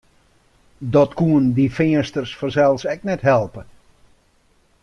Dat koenen dy Feansters fansels ek net helpe.